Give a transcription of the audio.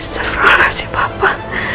seterolah si papa